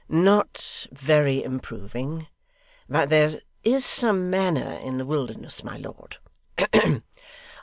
'Not VERY improving; but there is some manna in the wilderness, my lord.